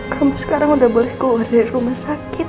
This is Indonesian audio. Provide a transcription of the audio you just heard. kamu sekarang udah boleh keluar dari rumah sakit